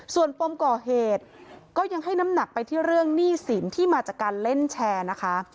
ส่วนปมก่อเหตุก็ยังให้น้ำหนักไปที่เรื่องหนี้สินที่มาจากการเล่นแชร์นะคะ